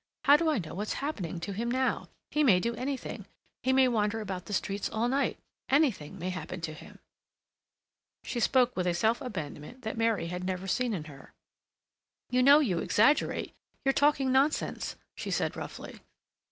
How do I know what's happening to him now? He may do anything. He may wander about the streets all night. Anything may happen to him." She spoke with a self abandonment that Mary had never seen in her. "You know you exaggerate; you're talking nonsense," she said roughly.